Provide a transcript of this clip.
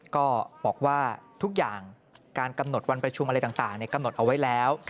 ก็บอกว่าทุกอย่างการกำหนดวันประชุมอะไรต่างกำหนดเอาไว้แล้ว